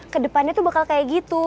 kedepannya tuh bakal kayak gitu